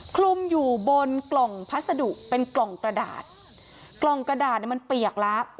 คลุมอยู่บนกล่องพัสดุเป็นกล่องกระดาษกล่องกระดาษเนี่ยมันเปียกแล้ว